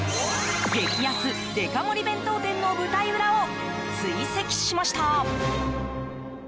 激安・デカ盛り弁当店の舞台裏を追跡しました。